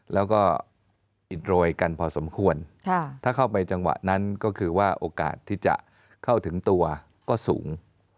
แล้วก็อิดโรยกันพอสมควรถ้าเข้าไปจังหวะนั้นก็คือว่าโอกาสที่จะเข้าถึงตัวก็สูง